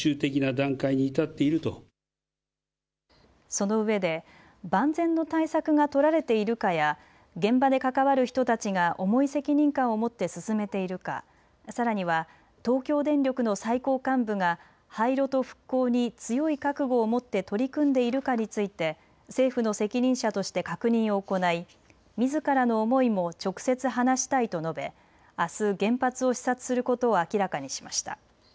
そのうえで万全の対策が取られているかや現場で関わる人たちが重い責任感を持って進めているか、さらには東京電力の最高幹部が廃炉と復興に強い覚悟を持って取り組んでいるかについて政府の責任者として確認を行いみずからの思いも直接話したいと述べ、あす原発を視察することを明らかにしました。